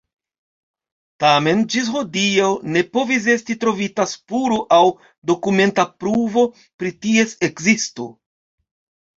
Tamen ĝis hodiaŭ ne povis esti trovita spuro aŭ dokumenta pruvo pri ties ekzisto.